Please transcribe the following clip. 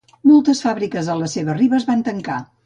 Moltes fàbriques a les seves ribes van tancar.